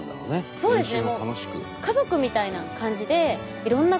そうですよね。